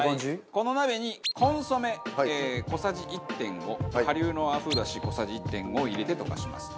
この鍋にコンソメ小さじ１．５顆粒の和風出汁小さじ１．５を入れて溶かしますと。